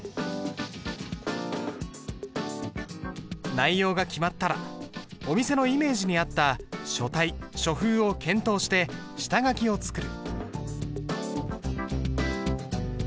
内容が決まったらお店のイメージに合った書体書風を検討して下書きを作る。